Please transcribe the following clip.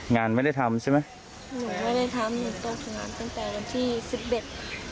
งานไม่ได้ทำใช่ไหมหนูไม่ได้ทำหนูโตถึงงานตั้งแต่วันที่สิบเอ็ด